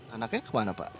anaknya kemana pak